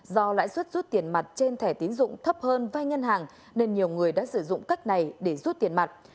do lãi suất rút tiền mặt trên thẻ tiến dụng thấp hơn vai ngân hàng nên nhiều người đã sử dụng cách này để rút tiền mặt